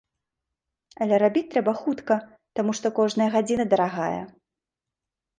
Але рабіць трэба хутка, таму што кожная гадзіна дарагая.